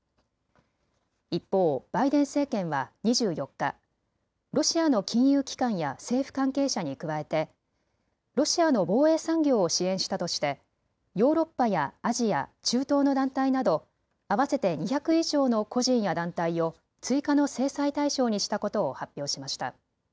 一方、バイデン政権は２４日、ロシアの金融機関や政府関係者に加えてロシアの防衛産業を支援したとしてヨーロッパやアジア、中東の団体など合わせて２００以上の個人や団体を追加の制裁対象にしたことを発表しました。